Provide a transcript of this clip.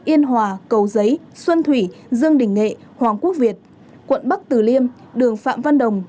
yên hòa cầu giấy xuân thủy dương đình nghệ hoàng quốc việt quận bắc tử liêm đường phạm văn đồng